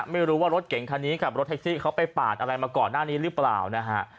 ไม่รู้ว่ารถเก่งคันนี้กับรถแท็กซี่เขาไปปาดอะไรมาก่อนหน้านี้หรือเปล่านะฮะ